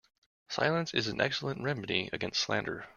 Silence is an excellent remedy against slander.